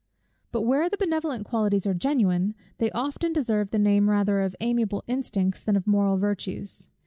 But where the benevolent qualities are genuine, they often deserve the name rather of amiable instincts, than of moral virtues.